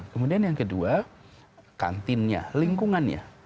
kemudian yang kedua kantinnya lingkungannya